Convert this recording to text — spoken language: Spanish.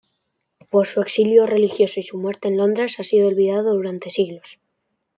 Por su exilio religioso y su muerte en Londres ha sido olvidado durante siglos.